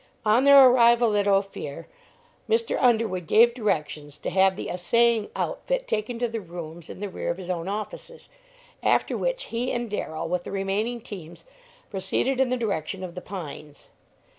On their arrival at Ophir, Mr. Underwood gave directions to have the assaying outfit taken to the rooms in the rear of his own offices, after which he and Darrell, with the remaining teams, proceeded in the direction of The Pines.